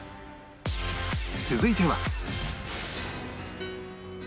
続いては